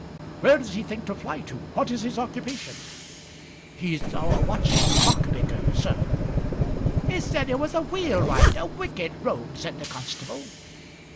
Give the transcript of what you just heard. Where does he think to fly to? What is his occupation?" "He's a watch and clock maker, sir." "'A said 'a was a wheelwright a wicked rogue," said the constable.